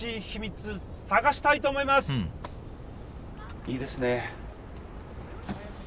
いいですね。